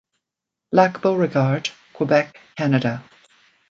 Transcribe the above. Lac Beauregard, Quebec, Canada.